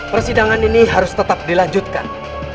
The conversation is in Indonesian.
persidangan ini harus tetap dilanjutkan